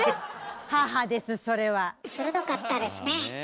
母ですそれは。鋭かったですね。